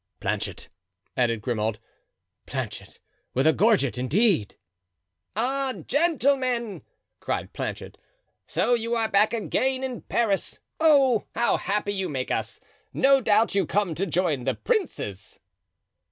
"Planchet," added Grimaud; "Planchet, with a gorget, indeed!" "Ah, gentlemen!" cried Planchet, "so you are back again in Paris. Oh, how happy you make us! no doubt you come to join the princes!"